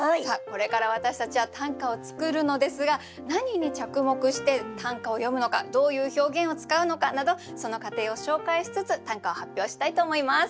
これから私たちは短歌を作るのですが何に着目して短歌を詠むのかどういう表現を使うのかなどその過程を紹介しつつ短歌を発表したいと思います。